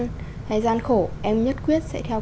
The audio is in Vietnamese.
hay gian khổ em nhất quyết sẽ theo